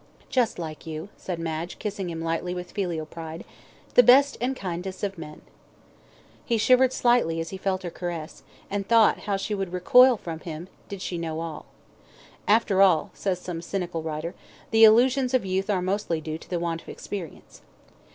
"Just like you," said Madge, kissing him lightly with filial pride. "The best and kindest of men." He shivered slightly as he felt her caress, and thought how she would recoil from him did she know all. "After all," says some cynical writer, "the illusions of youth are mostly due to the want of experience."